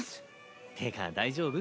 ってか大丈夫？